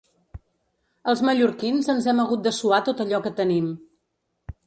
Els mallorquins ens hem hagut de suar tot allò que tenim.